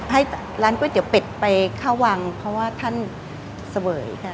ให้ร้านก๋วยเตี๋ยเป็ดไปเข้าวังเพราะว่าท่านเสวยค่ะ